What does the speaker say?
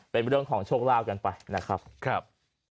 เป็นเรื่องของโชคลาภกันไปนะครับ